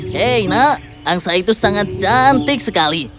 hei nak angsa itu sangat cantik sekali